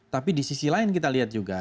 tapi di sisi lain kita lihat juga